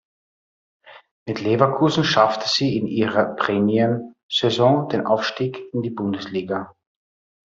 Mit Leverkusen schaffte sie in ihrer Premierensaison den Aufstieg in die Bundesliga.